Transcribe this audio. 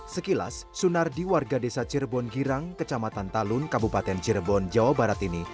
sekilas sunardi warga desa cirebon girang kecamatan talun kabupaten cirebon jawa barat ini